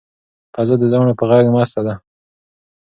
فضا د زاڼو په غږ مسته ده.